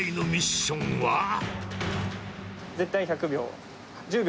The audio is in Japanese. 絶対１００秒。